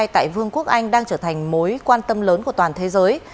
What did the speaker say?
tại vương quốc anh đang trở thành mối quan tâm lớn của toàn thế giới